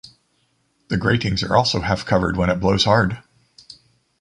The gratings are also half covered when it blows hard.